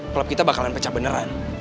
klub kita bakalan pecah beneran